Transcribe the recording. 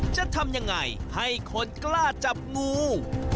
จะทำยังไงให้คนกล้าจับงู